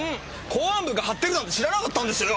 公安部が張ってるなんて知らなかったんですよ。